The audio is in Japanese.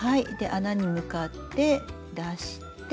穴に向かって出して。